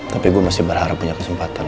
tapi ibu masih berharap punya kesempatan